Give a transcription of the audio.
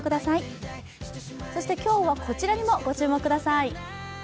そして今日はこちらにもご注目ください。